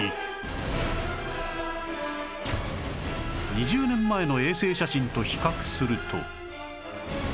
２０年前の衛星写真と比較すると